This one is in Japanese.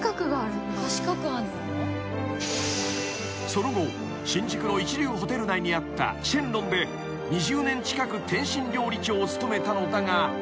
［その後新宿の一流ホテル内にあったシェンロンで２０年近く点心料理長を務めたのだが］